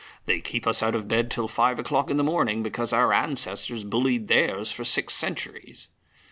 They keep us out of bed till five o'clock in the morning because our ancestors bullied theirs for six centuries."